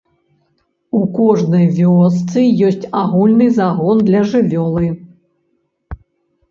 У кожнай вёсцы ёсць агульны загон для жывёлы.